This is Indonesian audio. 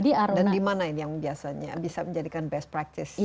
dan di mana ini yang biasanya bisa menjadikan best practice